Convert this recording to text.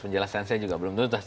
penjelasan saya juga belum tuntas